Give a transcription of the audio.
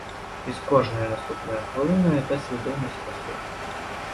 І з кожною наступною хвилиною та свідомість росла.